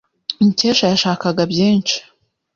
Mukesha yashakaga byinshi.